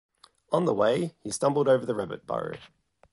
On the way, he stumbled over the rabbit burrow.